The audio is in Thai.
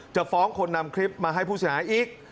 จะฟ้องคนนำคลิปมาให้ผู้เสียหายอีก